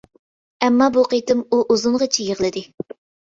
ئەممە بۇ قېتىم ئۇ ئۇزۇنغىچە يىغلىدى.